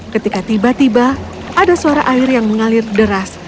ketika tiba tiba ada suara air yang mengalir deras